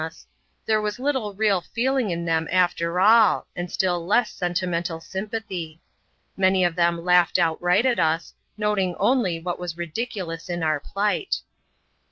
US, there was little real feeling in them after all, and still less sentimental sympathy. Many of them laughed outright at us, noting only what was ridiculous in our plight.